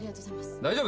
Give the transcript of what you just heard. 大丈夫？